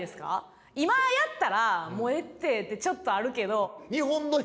今やったら「もうええって」ってちょっとあるけど。